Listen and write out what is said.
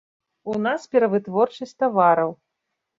У нас перавытворчасць тавараў.